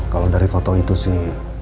kalau dari foto itu sih